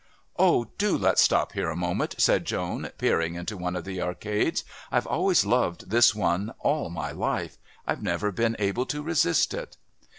"Oh, do let's stop here a moment," said Joan, peering into one of the arcades. "I've always loved this one all my life. I've never been able to resist it."